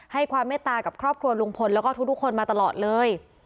ความเมตตากับครอบครัวลุงพลแล้วก็ทุกคนมาตลอดเลย